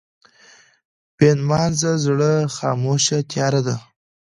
بېنمازه زړه خاموشه تیاره ده.